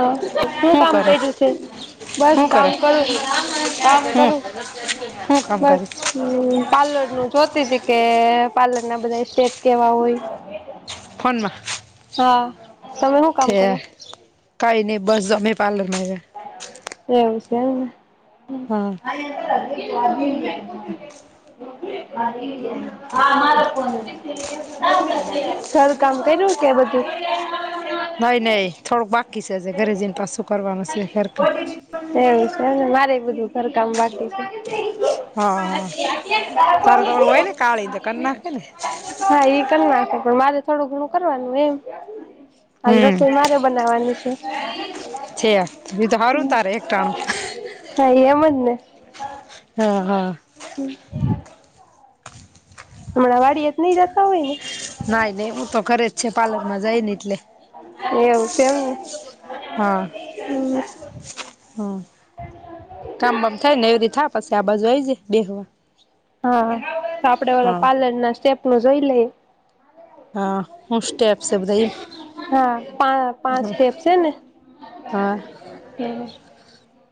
હા શું કામ કર્યું છે? બસ શું કામ કરે કરું કામ હું કરું શું કામ બસ કરીશ પાર્લર નું. જોતી તી કે પાલન ના બધા સ્ટેપ કેવા હોય ને. ફોનમાં હા, તમે શું કામ કરો? કઈ નહી બસ અમે પાર્લર મા રે. એમ છેન હમ્મ. હા [inaudible] ઘરું કામ કર્યું કે બધું? નઈ નહી થોડુંક બાકી છેજ ઘરે જઈને પાછું કરવાનું છે ઘેરકામ. એવું છેન મારે બધું ઘરકામ બાકી છે. હા તારું તો ઓળું હોય ને કાળી ને કર નાખે ને? હા એ કરી નાખે પણ મારે થોડું ઘણું કરવાનું એમ. આજ હમ રસોઈ માર બનાવાની છે. છે ઈ તો હારુંન તારે એક ટાણું. હા એમજ ને. હા હા. [inaudible] હમણાં વાડીયા જ નઈ જતા હોય ને? નાઈ નહી હું તો ખરે જ છે પાર્લર માં જઈ ને એટલે. એવું છેમ. હા હા કામ બામ થાય ને એવથી થા પછી આ બાજુ આવી જાય બેવા હા તો આપડે ઓલો પાર્લર ના સ્ટેપ નું જોઈ લઈ હા હું સ્ટેપસે બધ હા પા પાંચ સેપ છેને હા.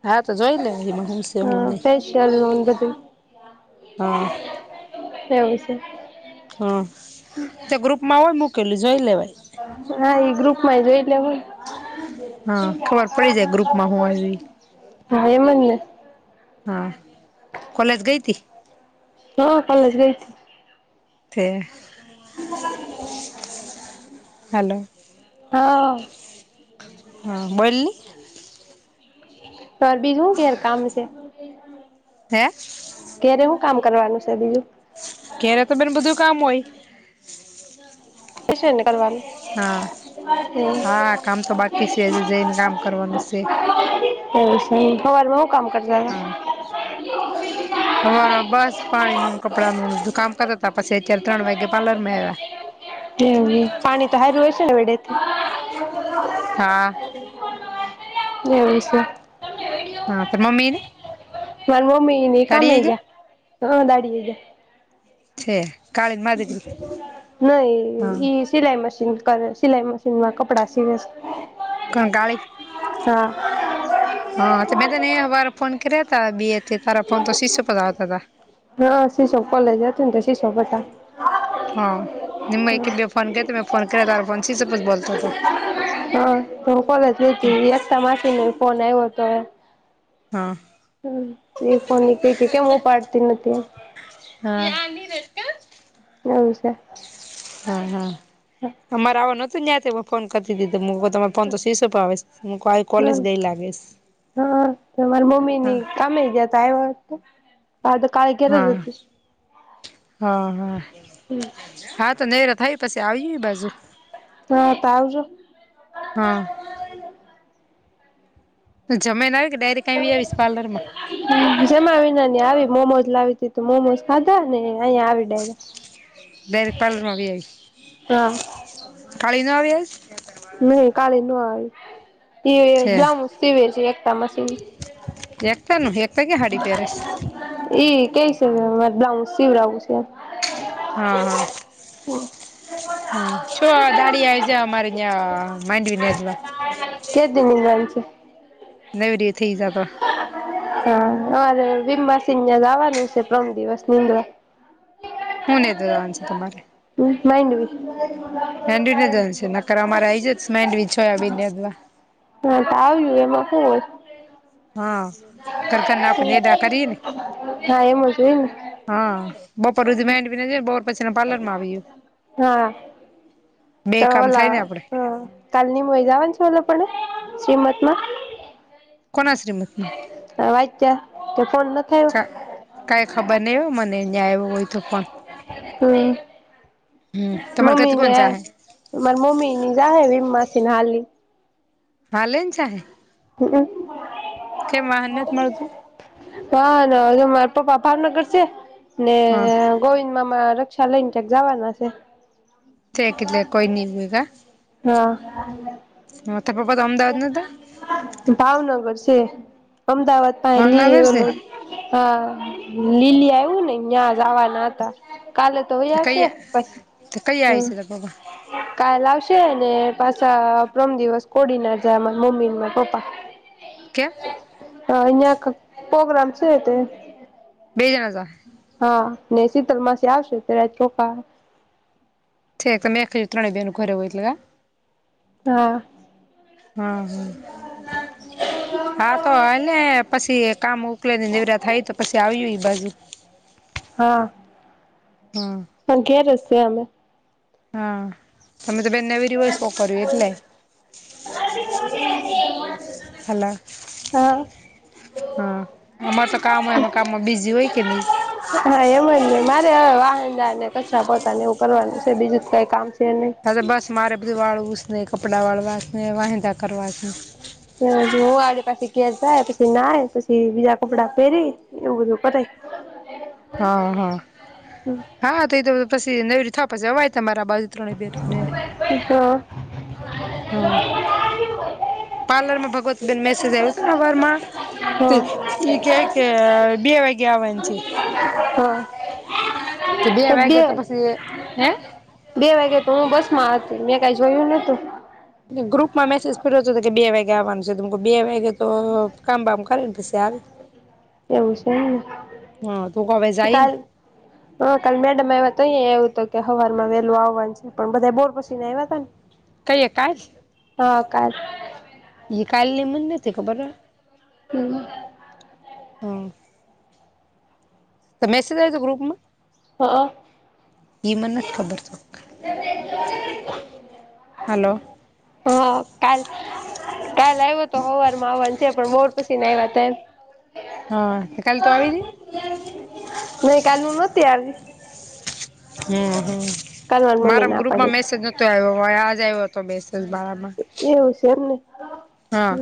હા તો જોઈ લે એમાં હું છે હ હું નહી ફેશિયલ નું બધું હા એે છે. હા તે ગ્રુપમાં હોય મુૂકેલું જોઈ લેવાય હા એ ગ્રુપમાં એ જોઈ લ હ હા ખબર પડી જાય ગ્રુપમાં હું આવી હા એમંદને હા કોલેજ ગઈ હતી. હા કાલે જ છે હલો હા. હા બોલી તોર બીજ હું કેાર કામ છે. હે ક્યારે હું કામ કરવાનું છે, બીજું ક્યારે તો બેન બધું કામ હોય. એશું એને કરવાનું હા હા કામ તો બાકી છે હજી જઈને કામ કરવાનું છે હ. એ હોવા હું કામ કરતા હા. હ. હ બસ પાણીનું કપડાનુ કામ કરતાતા પછચાર ત્રણ વાગે પારલરમાં આવ્યા એ પાણી તો સારું હો છેને, વેડેથી હા. બે છે. હા ત મમ્ીને મારા મમ્મી નની કામે ગયા હ દાડી એ ગયા. છે. કાળી ને મારી દીકરી નાહી હા ઈ. સિલાઈ મશીન કરે સિલાઈ મશીનમાં કપડા સીવે કોણકાળી હા મેં હા તને એ વાર ફોન કર્યા ત બે થી તારા ફોન તો શીશો પધ આવતા હતા. હા શીશો કોલેજ જ હત તો શીશો હતા. હા નિમ એકકી બે ફોન ક મે ફોન કર કરી ફોન સી સપ બોત હા તો હું કોલે જ હા લધ તા માસીને ફોન આવ્યો હતો. હા તે ફોન કે કે કેમ હું પાડતી નથી. [inaudible] હ સર હા હા અમારે આવવા નોતું ત્યાં ફોન કરતી દીધરે પણ તો શીશો પણ આવે હું આવી કોલેજ હમ ગઈ, લાગીશ હા કમે જ તય વાત પા તો કાય હા હા હા હમ હા તો નૈરા થાય પછી આવીય બાજુ હા તો આવ જો હા જમીને આવી કે ડાયરીક કઈ આવીશ પાર્લરમાં હ જમ્યા વિનાની આવી મોમોજ લાવી તી તો મોમોઝ ખાધા ને અહીયા આવી. ડાયરેક્ટ પાર્લરમાં વઈ આવીશ હા [unintelligible] નહી કાલે ન આવી એ છે બ્લાઉઝ સીવે છે એકતા મશીન એકતા નું એકતા ક્યાં સાડી પહેરે સ ઈ કઈ છે ને મારે બ્લાઉસ સીવડાવું છે. હા હા હા શું [unintelligible] જ્યાં અમારે ત્યાં માંડવીને જોવા કે દી ની આવી છે નવરી થઈ જાય તો હા અરે વિમ માસીને ત્યાં જવાનું છે પરમ દિવસે નિંદ્રા [unintelligible] છે તમારે માંડવી [unintelligible] [unintelligible] હા તો આવ્યું એમાં શું હોય [unintelligible] હા હા એમ જ હોય ને બપોર હુધી [unintelligible] હા બે કામ થાય ને આપડે [unintelligible] શ્રીમત માં કોના શ્રીમત [unintelligible] તો ફોન નથ આયો કાંઈ ખબર નહીં હો મને અહીં આવ્યો હોય તો ફોન. હમ હમ તમારે મમ્મી ઘરથી કોણ ને જાહે [unintelligible] હાલે જ છે ને કેમ વાહન નથ મળતું [inaudible] હ ના મારા પપ્પા ભાવનગર છે ને હા ગોવિંદ મામાં રક્ષા લઈને ક્યાંક જવાના છે. [unintelligible] હા મોટા પપ્પા તો અમદાવાદ નતા ભાવનગર છે અમદાવાદ પાહે ભાવનગર [unintelligible] ઓલું હા લીલી આયુ ને ત્યાં જવા ના કાલે તોય છે કઈ આવશે પછી કઈ આવી હમ છે તાર પપ્પા કાલ આવશે ને પાછા પ્રમ દિવસ કોડી ના જા મા મમ્મી મા પપ્પા કેમ હ અહિયાં પ્રોગ્રામ છે તે બે જણા હતા હા ને શીતલ માસી આવશે ત્યારે ચોખા [unintelligible] બેનનું ઘરે હો એટલે હા હા હા હા તો આને પછી કામ ઉકલે ને નવરા થાય તો પછી આવીય બાજુ હા હા પણ કે [unintelligible] હા તમે તો બને નવરી સો કર્યું એટલે હા [unintelligible] અમાર તો કામ હોય. કામમાં બીઝી હોય કે નીય હા એમ જ ને મારે હવે વાહનદારને કચરા પોતાને એવું કરવાનું છે બીજું તો કાઈ કામ છે નય. હા બસ મારે બધું વાળવું જ ને કપડાં વાળવા શે ને વાહન દા કરવા છે. અને જોઓ આજે પાછી ઘેર જાય પછી નાહ્ય પછી બીજા કપડા પેહરી એવું બધું કરે. હા હા હા તો એ તો પછી નવરી થાય પછી જવાય તમારા બા ત્રણે બેઠુંને. ઈ તો હા પાર્લર માં ભગવત બેેન મેસેજ આવ્યો હતો ને હવારમાં. હા ત હા ઈ કેય કે બે વાગ્યે આવાની છે. હા તો બે વાગે તો પછી હે? બે વાગે તો હું બસ માં હતી મેં કાઈ જોયું નોતું. ગ્રુપમાં મેસેજ પર્યો હતો કે બે વાગે આવવાનું છે તો મેં બે વાગે તો કામ બામ કરીન પશી આવી. એવું છે એમ હા તું હવે ને જાય કાલ હ કાલ મેડમ આયવા હતાં તો એવું તો કેહતા હતાં હવારમાં વેલું આવવાનું છે. પણ બધા બોર પસીને આય્વા તા ને. કહીએ કાચ. હ કાલ. ઈ કાલની મને નતી ખબર હ. હમ્મ. હ. તો મેસેજ આયાતો ગ્રુપમાં? હ ઈ મને નથ ખબર તો. હાલો. ઓ કાલ કાલ આયવો તો હવારમાં આવવાનું છે પણ બોર પછીન આયવા તા એમ. હા, તો કાલ તું આવીતી? નહીં કાલ મુ નતી આવી. હમ્મ હમ્મ કાલ મારી મમ્મી મારામ ના ગ્રુપમાં પાડી મેસેજ નતો આયવો વય આ જ આવ્યો હતો મેસેજ મારામાં. એવું છે એમ ને! હા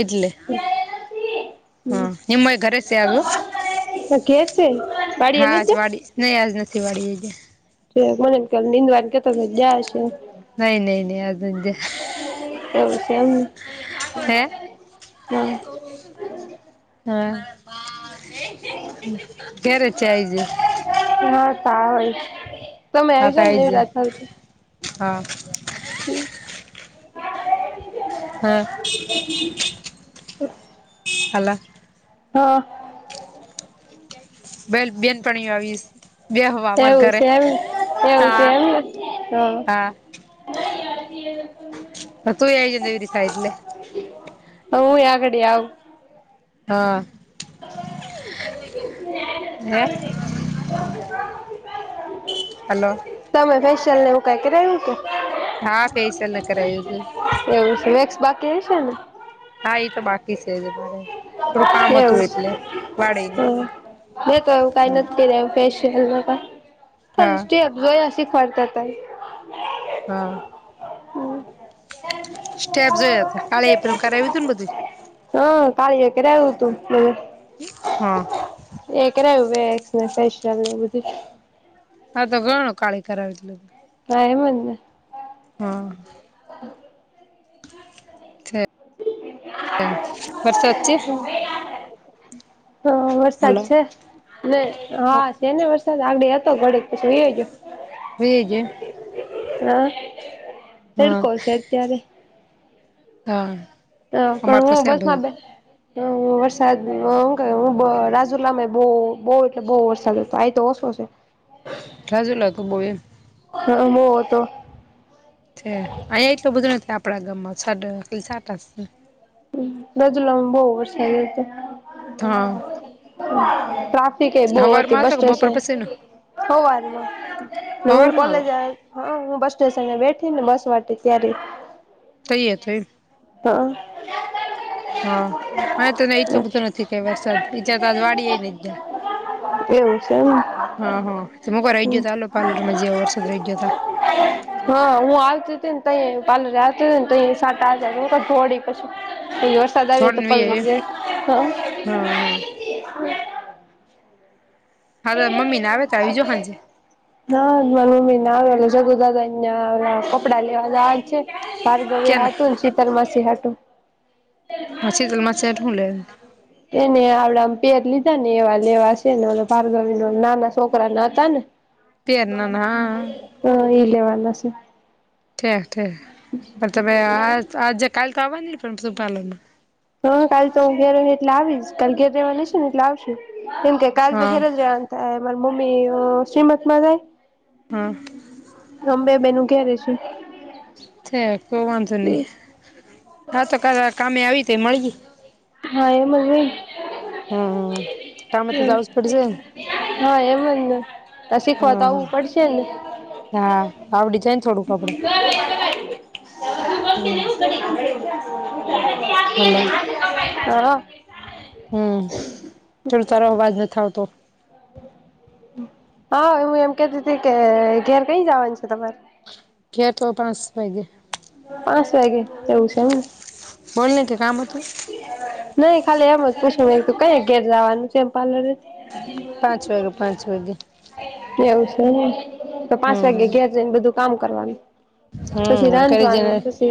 એટલે હમ હ એમેય ઘરે જ સે હ. શે બાડીએ નથ જાવ. નહીં આજ નથી વાળીએ ગ્યા. મને એમ કે નિંદવા કેતા તા તો ગયા હશે. નઈ નઈ નઈ આજ નથ ગ્યા. એવું શે એમને? હે હા હા. ઘેરે જ છે હજુ. ના તાય. હા તો એ જ હા. હમ્મ. હા. હાલા. હ. બેલ બેનપણીઓ આવીશ. બે હવા અમાર એવું ઘરે છે એમ એવું છે હા એમ ને હમ્મ. ચાય પી આવ્યા ને? હ તું એવી ને એની સાઈડ લે. હવ હું ય આગડી આવું. હા. હે હલો. તમે ફેશિયલ ને એવું કંઈ કે હા ફેશિયલ ને કરાયું હતું એવું છે વેકસ બાકી હસે ને. હા એ તો બાકી છે જ મારે. થોડું કામ હતું એવું હ એટલે વાળીને હ કયુ કાઈ હમ નથી કરાવ્યું. સ્પેશિલ ન ફલ હા અ જોય અી [unintelligible] ફરતા હતા હા સ્ટેપ જોયા હતા કાળી એપેરું કરાવ હતું ને બધું. હા કાળ કે્યારે આવ્યું હતું મ [unintelligible] હ. મે કરાયુ વેક્સ અને ફેશિયલ ને એવું બધું. હ તો ગણો કાળી કરવેલું હા એમ જ ને. હા છે. અ વરસાદ છે? હા વરસાદ હલો છે. હા છે ને વરસાદ આવડે હતો ઘડીક પછી વહી ગયો‌. વહી ગયો હા હા તડકો છે અત્યારે. હા. તો અમાર પણ તો હું છે બધું બસમાં બેઠી હ વરસાદું હું રાજુલામાં બવ એટલે બવ વરસાદ હતો આ તો ઓછો છે. સાજુલા હતું બો એ [unintelligible] હા બોવ હતો. છે અહીંયા એટલું બધું નથી આપણા ગામમાં છાંટા જ સાટા રાજુલામાં બવ વરસાદ હતો. હા. પ્ર [inaudible] ટ્રાફિક કેય બોવ હવાર હતી માં બસ હતો કે સ્ટેશને બપોર પછી ન સવારમાં હવાર હું માં આવો કોલેજ આવીતી હા હું બસ સ્ટેશનને બેઠી ને બસમાં હતી ત્યારે. તૈયાર થઈ હ. હા હ તો ને એઈ તો બધું નથી ક વરસાદ ઈજા તો આજ વાડી જ નેં [unintelligible] એવું છે એમ. હા હા તો મોકો રહી જતાલ પ્લરમાં જેવા વરસાદ રહી જતા હા હું આવતી હતી ને ત પાલરે આવતી હતી ને તો સાટાડી પછી વરસાદ આવી થોડ તો એમ પળ હા હા. એ [inaudible] હા તો મમ્મીને આવે તો આવીજો હંજે. હા મ મમી ના એલ જગુદ ધન [unintelligible] કપડા લેવાના જવાનું છે ભાર્ગવી હાટું ક્યાંના ને શીતલ માસી હાટું. હછી જેલમાં છેેટ હું લે. એને આપડે આમ પેર લીધા ને એવા લેવા છે. ને ભાર્ગવી નો નાના છોકરા ના હતા ને? ત્યારનાના [unintelligible] હ ઈ લેવાના છે. ઠીક ઠીક પણ તમે આ આજે કાલ તો આવવાની ન પણ તું પાર્લર માં. હા કાલ તો હું ઘેર જ એટલે આવીશ કાલ ઘેર રહેવાની છે ને એટલે આવશું એમ કે કાલ તો હા ઘેર જ રહેવાનું. અ મારા મમ્મી શ્રીમતમાં જાય્ હા. અંબે બેનુ ઘેર રેશું. છે કો વાંધો નહી હા તો કા કામે આવી તે મળી. હા એમ જ ને હમ્મ હમ્મ કા હે તો જાઉ જ પડશે. હા એમ જ ને શીખવા તો હા આવવું પડશે ને. હા આવડી જાય ન હમ [unintelligible] હલ્લો. હ હ હમ્મ ચોળ તારો અવાજ નથ આવતો હા હું એમ કેતી હતી કે ઘેર કઈ જવાનું છે તમારે? કે તો પાચ વાગે પાંચ વાગે એવું છે એમને. બોલ ને કે કામ હતું નઈ ખાલી એમ જ પૂછું હતું કયા ઘેર જવાનું છે એમ પાર્લર પાંચ વાગે પાંચ વાગે એવું છે તો પાંચ હમ વાગે ઘેર જઈને બધું કામ કરવાનું હમ્મ કર વાનુ તો છે.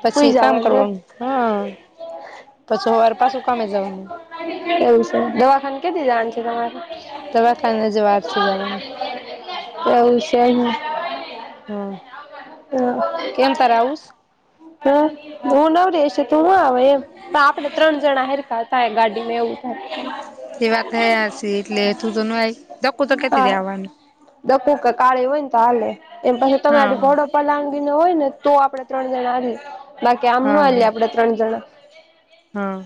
પછી કામ કરવાનું હા પછી હવાર પાછું કામે જવાનું એવું છે દવાખાન કેથી જવાનું છે તમારે દવાખાને હજી વાર છે જવાનું એવું છે હમ્મ. હમ કેમ તારે આવુંસ. હમ્મ. હું નવરીશે તું આવે એમ આપડે ત્રણ જણા હેરકા થાય ગાડીમાં એવું થાય. એવા થયા હશે એટલે તું તો ન આય દકું તો કેતી આવવાનું દકું કે કાળી હોય ને તો હાલે એમ પછી તમે હા ભોળો પલાંગીને હોય ને તો આપણેે ત્રણ જણા આએ બાકી આમ ના હા હાલે આપડે ત્રણ જણા હા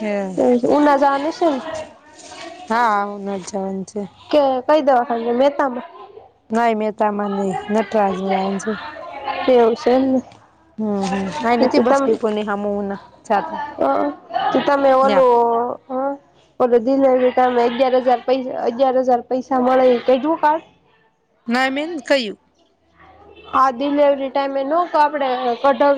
હા ઉના જવાનું હશે ને હા હું ના જવાન છે. કે કઈ દવાખાન મહેતામાં નહી મેં તમાં નહી નટરાજ લાવાનું છે. એવું છે એમને. હમ્મ હમ્મ આ નથી તમ બસતી પૂલ ની હામુ છાપા હ કે તમે ઓલું હા ઓલો ડીલેવરી ટાઈમે અગિયાર હજાર પૈ અગિયાર હજાર પૈસા મળે કયરુ કાક? ના મેં નથી કયું? હા ડિલેવરી ટાઈમે ના આપડે કઢવીએ.